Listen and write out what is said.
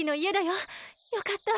よかった。